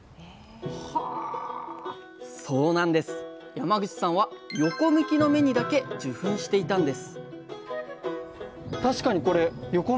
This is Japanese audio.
山口さんは横向きの芽にだけ受粉していたんです